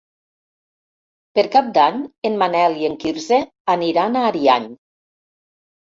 Per Cap d'Any en Manel i en Quirze aniran a Ariany.